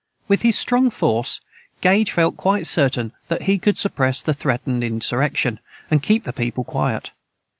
With his strong force, Gage felt quite certain that he could suppress the threatened insurrection, and keep the people quiet.